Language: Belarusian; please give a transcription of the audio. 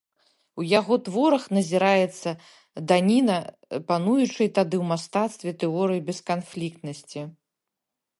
У яго творах назіраецца даніна пануючай тады ў мастацтве тэорыі бесканфліктнасці.